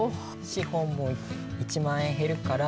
資本も１万円減るから。